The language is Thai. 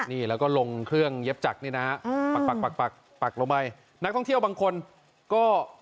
นี่แล้วก็ลงเครื่องเย็บจักรนี่นะฮะปักปักปักปักลงไปนักท่องเที่ยวบางคนก็